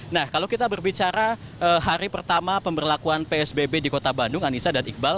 nah kalau kita berbicara hari pertama pemberlakuan psbb di kota bandung anissa dan iqbal